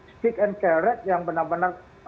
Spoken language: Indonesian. stick and carrot yang benar benar